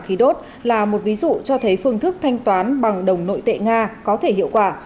khí đốt là một ví dụ cho thấy phương thức thanh toán bằng đồng nội tệ nga có thể hiệu quả